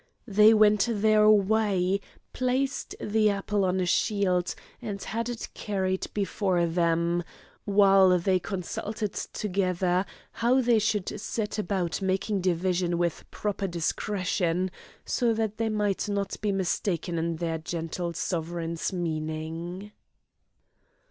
They went their way, placed the apple on a shield, and had it carried before them, while they consulted together how they should set about making division with proper discretion, so that they might not be mistaken in their gentle sovereign's meaning.